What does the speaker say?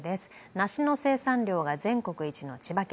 梨の生産量が全国一の千葉県。